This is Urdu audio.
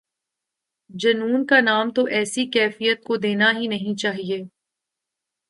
جنون کا نام تو ایسی کیفیت کو دینا ہی نہیں چاہیے۔